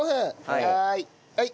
はい。